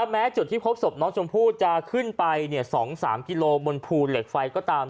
แม้จุดที่พบศพน้องชมพู่จะขึ้นไป๒๓กิโลบนภูเหล็กไฟก็ตาม